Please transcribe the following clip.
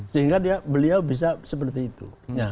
sehingga beliau bisa seperti itu